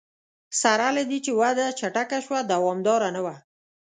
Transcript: سره له دې چې وده چټکه شوه دوامداره نه وه.